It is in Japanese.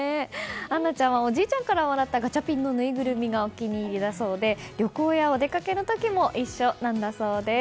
アンナちゃんはおじいちゃんからもらったガチャピンのぬいぐるみがお気に入りだそうで旅行やお出かけの時も一緒なんだそうです。